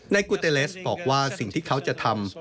กูเตเลสบอกว่าสิ่งที่เขาจะทำ